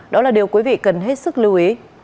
đó là điều quý vị cần hết sức lưu ý